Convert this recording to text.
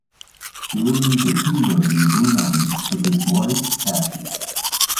He lives in Katoomba in the Blue Mountains with his wife, Cathie.